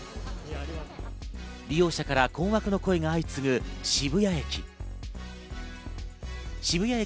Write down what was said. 利用者から困惑の声が相次ぐ渋谷駅。